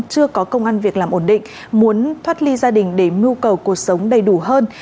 chưa có công an việc làm ổn định muốn thoát ly gia đình để mưu cầu cuộc sống đầy đủ hơn